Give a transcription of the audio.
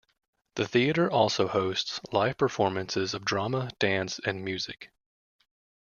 The theatre also hosts live performances of drama, dance and music.